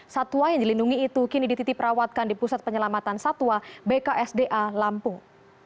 satwa yang dilindungi itu kini dititip rawatkan di pusat penyelamatan satwa bksda lampung